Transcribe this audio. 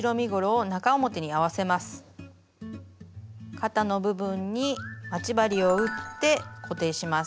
肩の部分に待ち針を打って固定します。